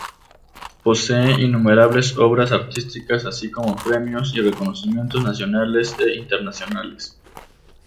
Posee innumerables obras artísticas, así como premios y reconocimientos nacionales e internacionales.